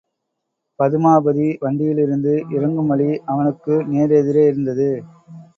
பதுமாபதி வண்டியிலிருந்து இறங்கும் வழி அவனுக்கு நேர் எதிரே இருந்தது.